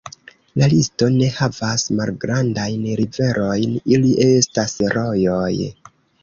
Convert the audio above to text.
La listo ne havas malgrandajn riverojn, ili estas rojoj.